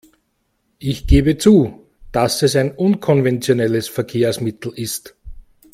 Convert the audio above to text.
Ich gebe zu, dass es ein unkonventionelles Verkehrsmittel ist.